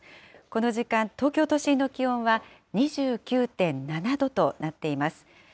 この時間、東京都心の気温は２９．７度となっています。